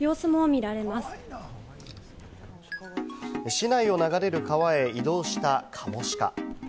市内を流れる川へ移動したカモシカ。